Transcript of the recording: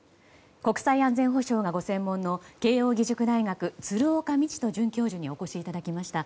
国際安全保障がご専門の慶應義塾大学鶴岡路人准教授にお越しいただきました。